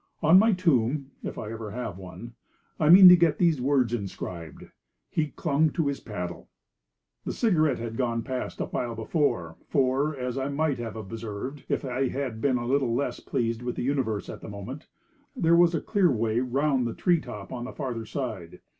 On my tomb, if ever I have one, I mean to get these words inscribed: 'He clung to his paddle.' The Cigarette had gone past a while before; for, as I might have observed, if I had been a little less pleased with the universe at the moment, there was a clear way round the tree top at the farther side.